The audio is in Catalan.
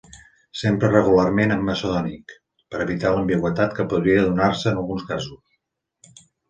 S'empra regularment en macedònic per evitar l'ambigüitat que podria donar-se en alguns casos.